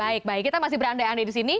baik baik kita masih beranda anda disini